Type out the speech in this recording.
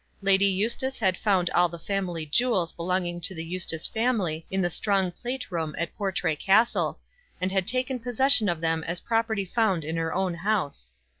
Lady Eustace had found all the family jewels belonging to the Eustace family in the strong plate room at Portray Castle, and had taken possession of them as property found in her own house.